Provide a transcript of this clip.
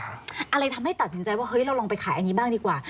อะไรทำให้ตัดสินใจว่าเฮ้ยเราลองไปขายอันนี้บ้างดีกว่า